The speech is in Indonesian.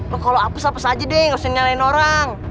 lo kalo apes apes aja deh gak usah nyalain orang